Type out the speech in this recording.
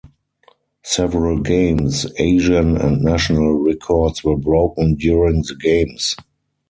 Several Games, Asian and National records were broken during the games.